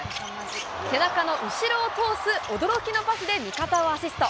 背中の後ろを通す驚きのパスで味方をアシスト。